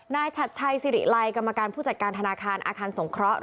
ฉัดชัยสิริไลกรรมการผู้จัดการธนาคารอาคารสงเคราะห